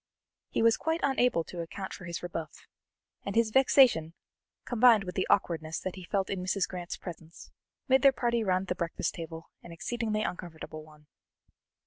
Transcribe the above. He was quite unable to account for his rebuff, and his vexation, combined with the awkwardness that he felt in Mrs. Grant's presence, made their party round the breakfast table an exceedingly uncomfortable one.